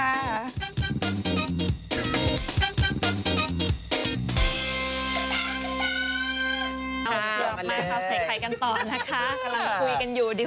ออกมาค่ะใส่ไขกันต่อนะคะกำลังคุยกันอยู่ดิ้วสิ